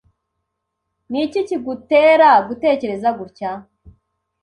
Niki kigutera gutekereza gutya?